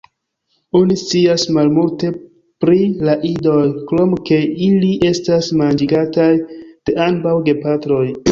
Oni scias malmulte pri la idoj, krom ke ili estas manĝigataj de ambaŭ gepatroj.